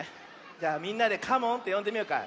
じゃあみんなでカモンってよんでみようか。